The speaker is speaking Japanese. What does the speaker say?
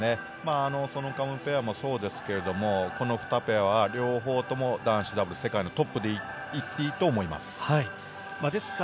ソノカムペアもそうですけど、この２ペアは両方とも男子ダブルス、世界のトップと言っていいと思います。